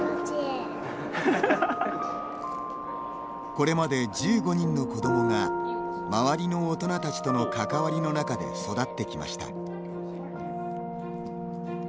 これまで１５人の子どもが周りの大人たちとの関わりの中で育ってきました。